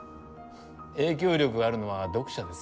影響力があるのは読者ですよ。